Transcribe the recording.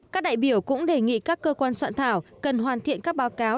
các đại biểu cũng đề nghị các cơ quan soạn thảo cần hoàn thiện các báo cáo